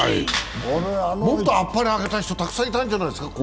もっとあっぱれあげたい人いっぱいいたんじゃないですか？